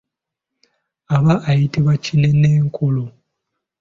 Aba ayitibwa kinenenkola.